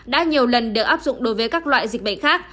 đã nhiều lần được áp dụng đối với các loại dịch bệnh khác